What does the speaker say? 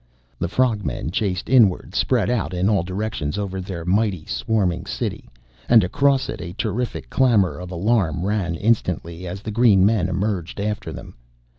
The frog men chased inward spread out in all directions over their mighty, swarming city and across it a terrific clamor of alarm ran instantly as the green men emerged after them!